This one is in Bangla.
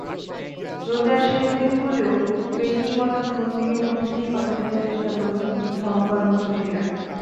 রোজার শেষ দিনগুলো বেশি বেশি ইবাদত-বন্দেগির মধ্য দিয়েই কাটাতে চেষ্টা করবেন ধর্মপ্রাণ মুসল্লিরা।